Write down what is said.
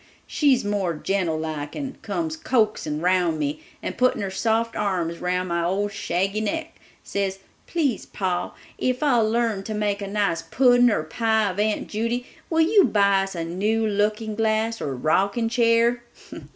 She's more gentle like and comes coaxin' round me, and puttin' her soft arms round my old shaggy neck says, 'Please, pa, if I'll learn to make a nice pudding or pie of Aunt Judy, will you buy us a new looking glass or rocking chair?